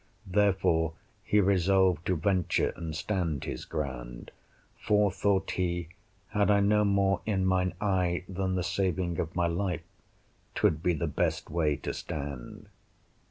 Therefore he resolved to venture and stand his ground; for, thought he, had I no more in mine eye than the saving of my life, 'twould be the best way to stand.